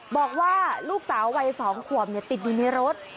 บอกว่าลูกสาววัย๒ขวบติดอยู่ในรถ